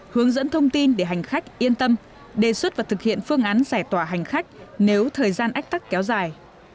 hướng dẫn thông tin để hành khách yên tâm đề xuất và thực hiện phương án giải tỏa hành khách nếu thời gian ách tắc kéo dài